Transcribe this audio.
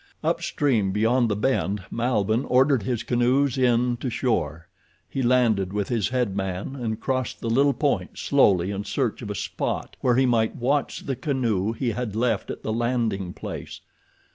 Up stream, beyond the bend, Malbihn ordered his canoes in to shore. He landed with his head man and crossed the little point slowly in search of a spot where he might watch the canoe he had left at the landing place.